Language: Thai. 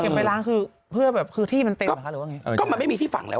ไปล้างคือเพื่อแบบคือที่มันเต็มเหรอคะหรือว่าไงเออก็มันไม่มีที่ฝังแล้ว